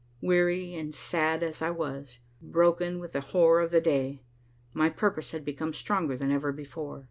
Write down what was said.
Weary and sad as I was, broken with the horror of the day, my purpose had become stronger than ever before.